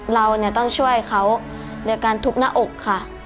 เราต้องช่วยเขาโดยการทุบหน้าอกค่ะ